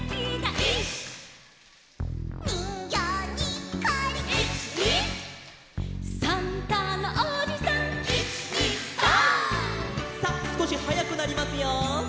「１２３」さあすこしはやくなりますよ。